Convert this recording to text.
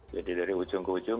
jadi dari ujung ke ujung